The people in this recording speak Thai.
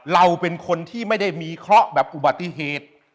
เราเป็นคนที่ไม่ได้มีเคราะห์แบบอุบัติเหตุ